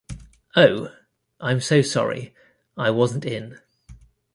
Oh, I’m so sorry I wasn’t in.